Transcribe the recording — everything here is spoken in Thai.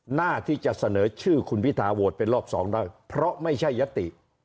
หน้าที่จะเสนอชื่อคุณพิทาโหวตเป็นรอบสองได้เพราะไม่ใช่ยติ